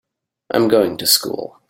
I'm going to school.